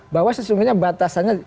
bahwa sesungguhnya batasannya